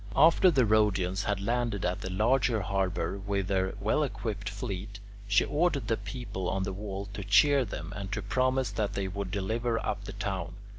After the Rhodians had landed at the larger harbour with their well equipped fleet, she ordered the people on the wall to cheer them and to promise that they would deliver up the town.